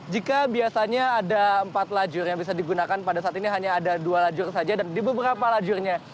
jika biasanya ada empat lajur yang bisa digunakan pada saat ini hanya ada dua lajur saja dan di beberapa lajurnya